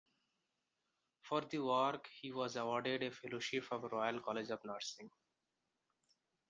For this work he was awarded a Fellowship of the Royal College of Nursing.